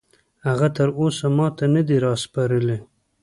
هغه تراوسه ماته نه دي راسپارلي.